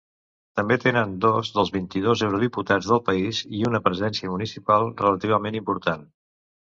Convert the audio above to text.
També tenen dos dels vint-i-dos eurodiputats del país i una presència municipal relativament important.